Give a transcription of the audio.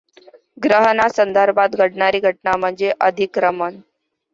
ग्रहणा संदर्भात घडणारी घटना म्हणजे अधिक्रमण.